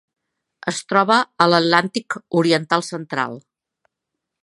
Es troba a l'Atlàntic oriental central.